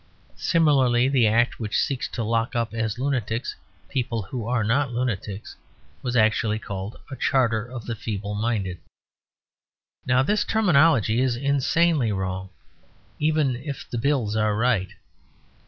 Similarly the Act which seeks to lock up as lunatics people who are not lunatics was actually called a "charter" of the feeble minded. Now this terminology is insanely wrong, even if the Bills are right.